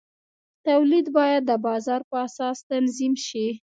تولید باید د بازار په اساس تنظیم شي.